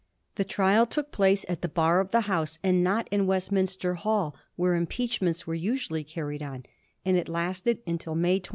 The trial took place at the bar of the House, and not in Westminster Hall, where impeachments were usually carried on, and it lasted until May 26.